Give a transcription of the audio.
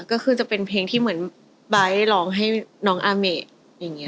ก็คือจะเป็นเพลงที่เหมือนไบท์ร้องให้น้องอาเมะอย่างนี้